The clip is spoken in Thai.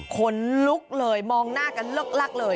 ก่อนลุกเลยมองหน้ากันละก